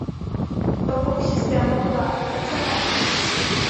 То бок, сістэма была адпрацаваная.